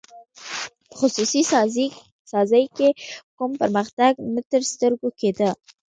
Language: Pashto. په خصوصي سازۍ کې کوم پرمختګ نه تر سترګو کېده.